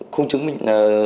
không chứng minh